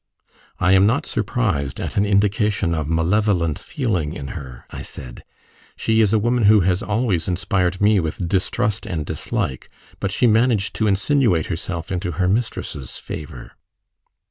"I am not surprised at an indication of malevolent feeling in her," I said. "She is a woman who has always inspired me with distrust and dislike, but she managed to insinuate herself into her mistress's favour."